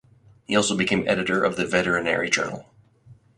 He also became editor of the Veterinary Journal.